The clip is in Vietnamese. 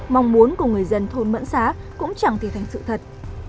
mong muốn của người dân thôn mẫn xá cũng chẳng thể thành sự thật